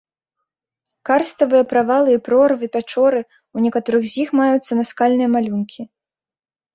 Карставыя правалы і прорвы, пячоры, у некаторых з іх маюцца наскальныя малюнкі.